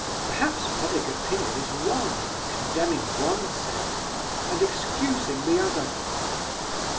Perhaps public opinion is wrong in condemning one sex, and excusing the other.